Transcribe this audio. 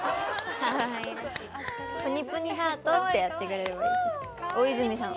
ぷにぷにハートってやってくれれば大泉さん。